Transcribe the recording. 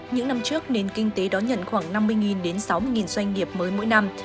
những năm trước nền kinh tế đón nhận khoảng năm mươi đến sáu mươi doanh nghiệp mới mỗi năm